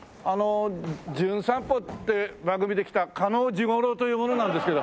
『じゅん散歩』って番組で来た嘉納治五郎という者なんですけど。